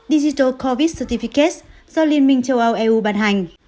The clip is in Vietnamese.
digital covid certificates do liên minh châu âu eu bàn hành